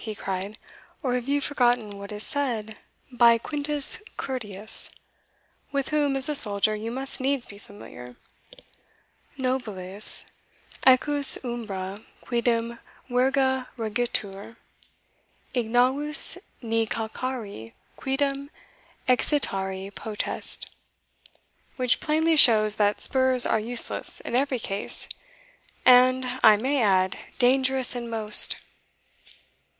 he cried, "or have you forgotten what is said by Quintus Curtius, with whom, as a soldier, you must needs be familiar, Nobilis equus umbra quidem virgae regitur; ignavus ne calcari quidem excitari potest; which plainly shows that spurs are useless in every case, and, I may add, dangerous in most."